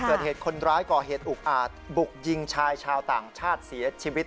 เกิดเหตุคนร้ายก่อเหตุอุกอาจบุกยิงชายชาวต่างชาติเสียชีวิต